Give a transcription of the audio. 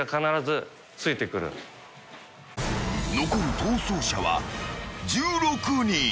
［残る逃走者は１６人］